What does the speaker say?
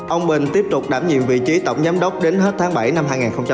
ông bình tiếp tục đảm nhiệm vị trí tổng giám đốc đến hết tháng bảy năm hai nghìn hai mươi